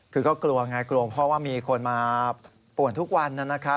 คือก็กลัวไงกลัวเพราะว่ามีคนมาป่วนทุกวันนะครับ